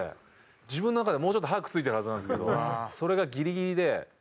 自分の中ではもうちょっと早く着いてるはずなんですけどそれがギリギリで。